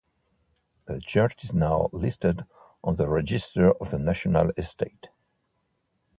The church is now listed on the Register of the National Estate.